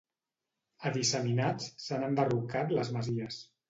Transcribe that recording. A disseminats s'han enderrocat les masies.